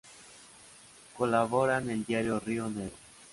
Colabora en el diario Río Negro.